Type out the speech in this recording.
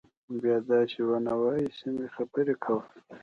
بيا دسې ونه وايي سمې خبرې کوه.